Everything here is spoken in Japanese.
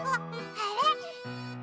あれ？